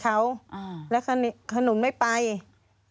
ก็เวลาตี๒แล้วคันนี้ตำรวจเขาจะให้ไปนอนกับแฟนเขา